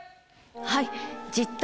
はい。